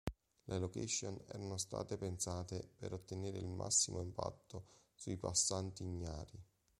Le location erano state pensate per ottenere il massimo impatto sui passanti ignari.